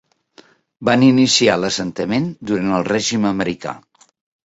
Van iniciar l'assentament durant el règim americà.